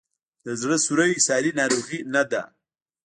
د زړه سوری ساري ناروغي نه ده.